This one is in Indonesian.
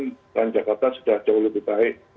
kota jakarta sudah jauh lebih baik